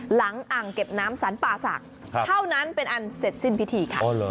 หลังอ่างเก็บน้ำสรรป่าศักดิ์เท่านั้นเป็นอันเสร็จสิ้นพิธีค่ะ